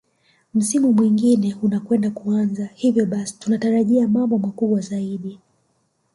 Msimu mwingine unakwenda kuanza hivyo basi tunatarajia mambo makubwa zaidi